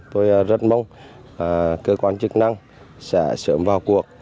tôi rất mong cơ quan chức năng sẽ sớm vào cuộc